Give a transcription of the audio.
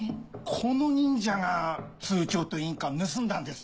この忍者が通帳と印鑑盗んだんです。